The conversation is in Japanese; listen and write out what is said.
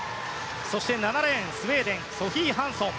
７レーン、スウェーデンのソフィー・ハンソン。